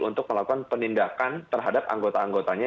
untuk melakukan penindakan terhadap anggota anggotanya